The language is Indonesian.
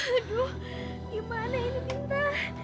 aduh gimana ini ginta